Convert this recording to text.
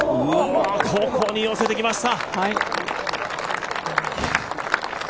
ここに寄せてきました。